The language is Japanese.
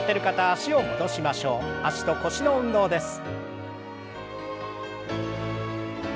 脚と腰の運動です。